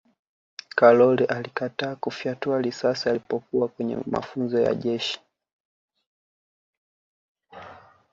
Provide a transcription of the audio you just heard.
karol alikataa kufyatua risasi alipokuwa kwenye mafunzo ya jeshi